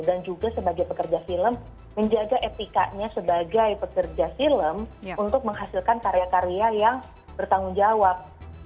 dan juga sebagai pekerja film menjaga etikanya sebagai pekerja film untuk menghasilkan karya karya yang bertanggung jawab